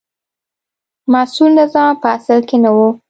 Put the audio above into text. مسوول نظام په اصل کې نه و.